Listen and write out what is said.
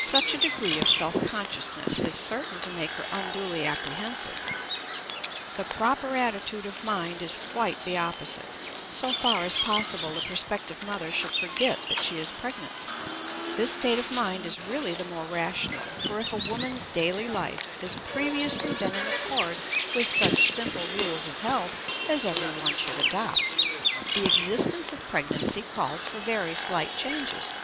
Such a degree of self consciousness is certain to make her unduly apprehensive. The proper attitude of mind is quite the opposite; so far as possible the prospective mother should forget that she is pregnant. This state of mind is really the more rational, for if a woman's daily life has previously been in accord with such simple rules of health as everyone should adopt, the existence of pregnancy calls for very slight changes.